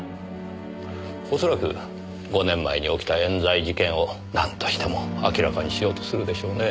恐らく５年前に起きた冤罪事件をなんとしても明らかにしようとするでしょうね。